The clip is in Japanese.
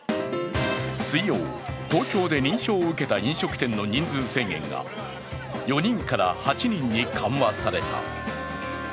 水曜、東京で認証を受けた飲食店の人数制限が４人から８人に緩和された。